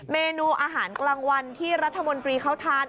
เมนูอาหารกลางวันที่รัฐมนตรีเขาทาน